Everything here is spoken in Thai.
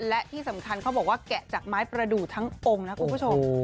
และที่สำคัญเขาบอกว่าแกะจากไม้ประดูกทั้งองค์นะคุณผู้ชม